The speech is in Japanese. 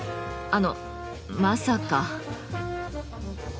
あのまさか。